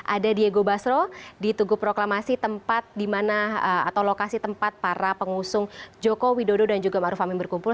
ada diego basro di tugu proklamasi tempat di mana atau lokasi tempat para pengusung joko widodo dan juga ⁇ maruf ⁇ amin berkumpul